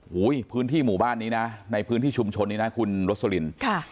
โอ้โหพื้นที่หมู่บ้านนี้นะในพื้นที่ชุมชนนี้นะคุณรสลิน